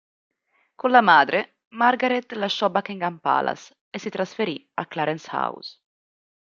Con la madre, Margaret lasciò Buckingham Palace e si trasferì a Clarence House.